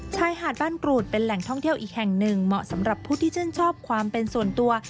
ชายหาดบ้านกรูดเป็นแหล่งท่องเที่ยวอีกแห่งหนึ่งเหมาะสำหรับผู้ที่ชื่นชอบความเป็นส่วนตัว